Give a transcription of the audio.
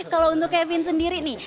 kalau untuk kevin sendiri nih